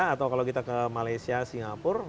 atau kalau kita ke malaysia singapura